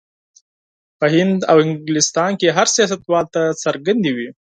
په هند او انګلستان کې هر سیاستوال ته څرګندې وې.